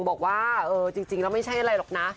บอกว่าจริงแล้วไม่ใช่อะไรหรอกนะ